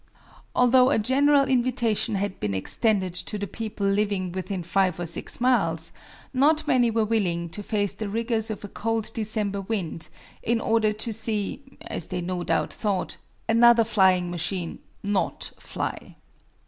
Although a general invitation had been extended to the people living within five or six miles, not many were willing to face the rigors of a cold December wind in order to see, as they no doubt thought, another flying machine not fly.